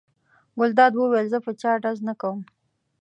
ګلداد وویل: زه په چا ډز نه کوم.